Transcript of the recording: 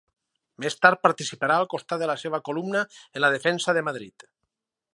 Més tard participarà al costat de la seva columna en la Defensa de Madrid.